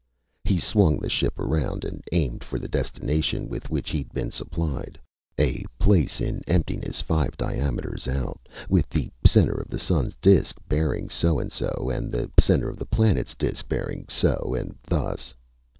He swung the ship around and aimed for the destination with which he'd been supplied a place in emptiness five diameters out, with the center of the sun's disk bearing so and so and the center of the planet's disk bearing so and thus.